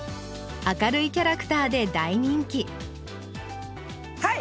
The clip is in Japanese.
明るいキャラクターで大人気はい！